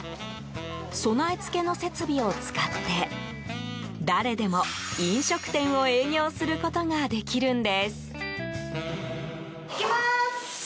備え付けの設備を使って誰でも、飲食店を営業することができるんです。